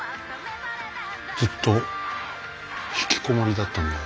ずっとひきこもりだったんだよ。